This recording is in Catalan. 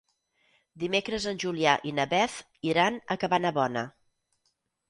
Dimecres en Julià i na Beth iran a Cabanabona.